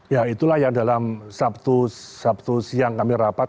ya itulah yang dalam sabtu siang kami rapat